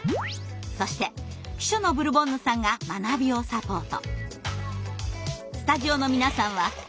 そして秘書のブルボンヌさんが学びをサポート。